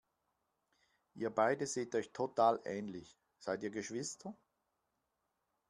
Ihr beide seht euch total ähnlich, seid ihr Geschwister?